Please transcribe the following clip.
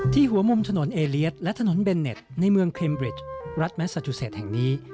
หัวมุมถนนเอเลียสและถนนเบนเน็ตในเมืองเคมบริดรัฐแมสซาจูเศษแห่งนี้